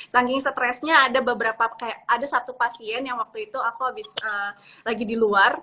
saking stresnya ada beberapa kayak ada satu pasien yang waktu itu aku habis lagi di luar